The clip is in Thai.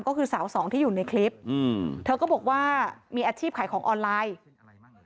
ก็คือสาวสองที่อยู่ในคลิปอืมเธอก็บอกว่ามีอาชีพขายของออนไลน์